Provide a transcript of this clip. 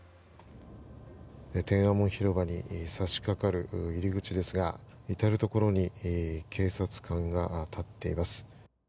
天安門広場に差しかかる入り口ですが至るところに警察官が立っています。